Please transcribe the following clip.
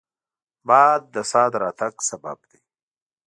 باد د سا د راتګ سبب دی